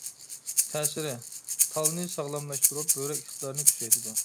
تەسىرى: تالنى ساغلاملاشتۇرۇپ، بۆرەك ئىقتىدارىنى كۈچەيتىدۇ.